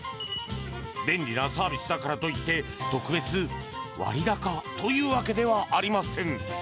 便利なサービスだからといって特別割高というわけではありません。